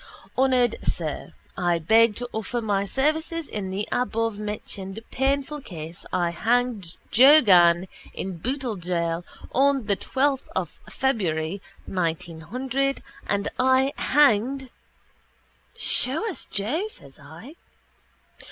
_ _Honoured sir i beg to offer my services in the abovementioned painful case i hanged Joe Gann in Bootle jail on the 12 of Febuary 1900 and i hanged..._ —Show us, Joe, says I.